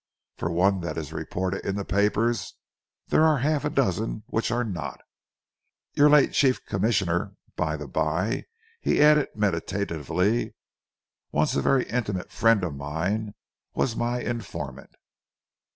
For one that is reported in the papers, there are half a dozen which are not. Your late Chief Commissioner, by the bye," he added meditatively, "once a very intimate friend of mine, was my informant."